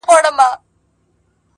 څپلۍ د اوسپني په پښو کړو پېشوا ولټوو؛